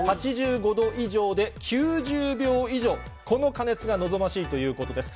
８５度以上で９０秒以上、この加熱が望ましいということです。